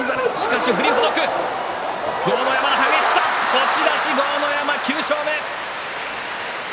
押し出し、豪ノ山９勝目。